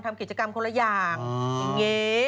ทำกิจกรรมคนละอย่างอย่างนี้